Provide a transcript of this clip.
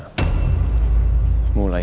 kami harus untuk musim